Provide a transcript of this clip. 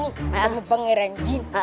sama pangeran jin